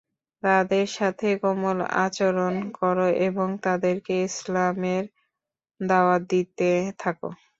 তাদের সাথে কোমল আচরণ কর এবং তাদেরকে ইসলামের দাওয়াত দিতে থাক।